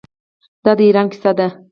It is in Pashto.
دا د ایران کیسه ده.